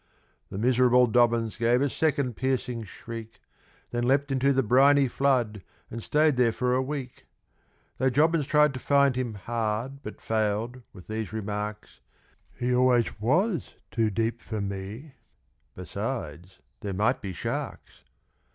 The miserable Dobbins gave a second piercing shriek, Then leaped into the briny flood, and stayed there for a week; Though Jobbins tried to find him hard, but failed, with these remarks, "He always was too deep for me besides, there might be sharks."